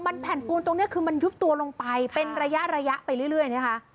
มันแผ่นปูนตรงนี้คือมันยุบตัวลงไปเป็นระยะระยะไปเรื่อยนะคะ